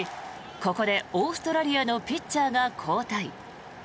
ここでオーストラリアのピッチャーが交代。